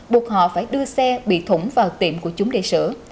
buộc họ phải đưa xe bị thủng vào tiệm của chúng để sửa